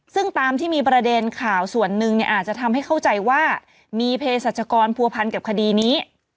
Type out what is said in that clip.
ซึ่งตามที่มีประเด็นข่าวส่วนหนึ่งเนี่ยอาจจะทำให้เข้าใจว่ามีเพศสัจกรผัวพันกับคดีนี้